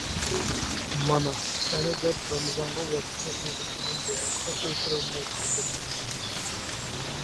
مانا، ئەنە دەپ رامىزانغا ۋاكسىنا ئۇرغۇزمىغان بولغاچقا ئولتۇرالماي قالدىم.